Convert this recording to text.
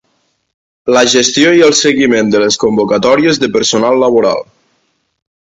La gestió i el seguiment de les convocatòries de personal laboral.